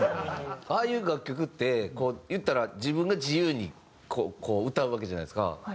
ああいう楽曲っていったら自分が自由に歌うわけじゃないですか。